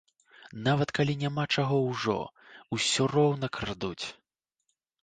Нават калі няма чаго ўжо, усё роўна крадуць.